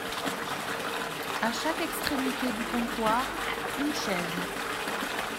A chaque extrémité du comptoir, une chaise.